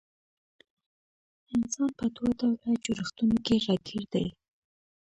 انسان په دوه ډوله جوړښتونو کي راګېر دی